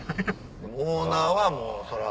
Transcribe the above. オーナーはもうそら。